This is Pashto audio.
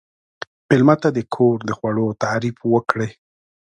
مېلمه ته د کور د خوړو تعریف وکړئ.